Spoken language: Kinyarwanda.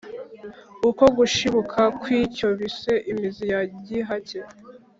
uko gushibuka kw’icyo bise imizi ya gihake,